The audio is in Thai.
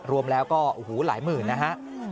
รวมแล้วก็โอ้โหหลายหมื่นนะฮะ